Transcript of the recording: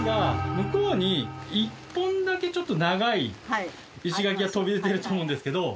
向こうに１本だけちょっと長い石垣が飛び出ていると思うんですけど。